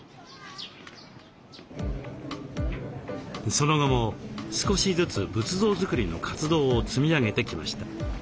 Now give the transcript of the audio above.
その後も少しずつ仏像作りの活動を積み上げてきました。